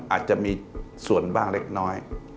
อาจจะมีส่วนบ้างเล็กน้อย